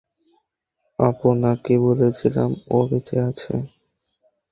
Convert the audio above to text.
আপনাকে বলেছিলাম, ও বেঁচে আছে!